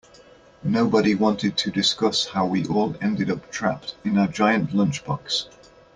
Nobody wanted to discuss how we all ended up trapped in a giant lunchbox.